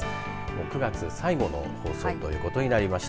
９月最後の放送ということになりました。